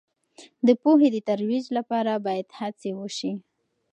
د پوهې د ترویج لپاره باید هڅې وسي.